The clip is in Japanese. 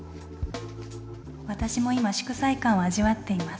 私も今祝祭感を味わっています。